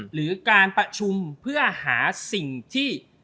หรือการประชุมเพื่อหาสิ่งที่